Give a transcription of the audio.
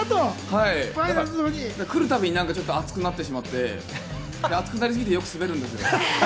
来るたびに熱くなってしまって、熱くなりすぎてよくスベるんです